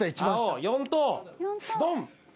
青４等ドン。